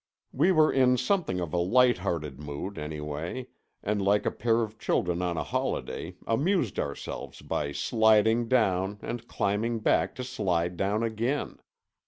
We were in something of a light hearted mood, anyway, and like a pair of children on a holiday amused ourselves by sliding down and climbing back to slide down again.